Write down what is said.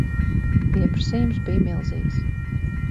Pieprasījums bija milzīgs.